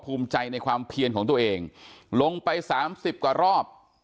ภูมิใจในความเพียนของตัวเองลงไปสามสิบกว่ารอบ